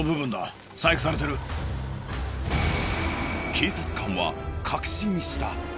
警察官は確信した！